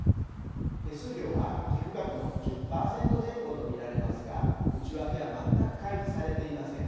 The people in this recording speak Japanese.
手数料は寄付額の１０％前後と見られますが内訳は全く開示されていません。